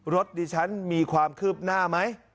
รถดิฉันมีความคืบหน้าไหม